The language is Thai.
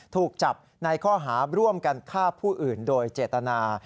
ถูกจับในข้อหาร่วมกันฆ่าผู้อื่นโดยเจตนา